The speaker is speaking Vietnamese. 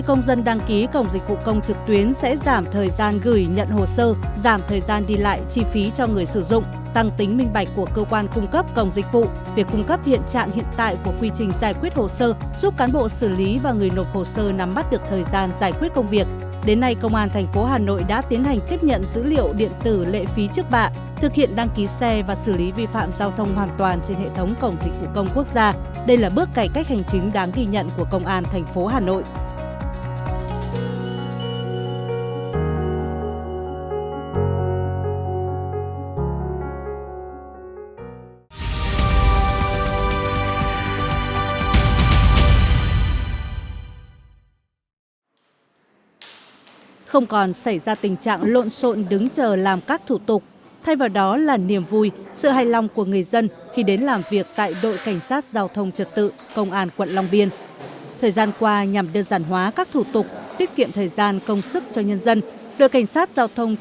công an thành phố hà nội đã tiến hành tiếp nhận dữ liệu điện tử lệ phí trước bạ thực hiện đăng ký xe và xử lý vi phạm giao thông hoàn toàn trên hệ thống cổng dịch vụ công quốc gia đây là bước cải cách hành chính đáng ghi nhận của công an thành phố hà nội